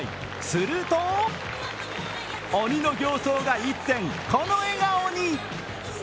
すると鬼の形相が一転、この笑顔に。